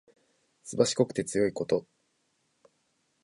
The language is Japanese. すばしこくて強いこと。